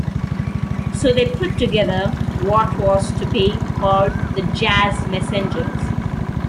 So they put together what was to be called the Jazz Messengers.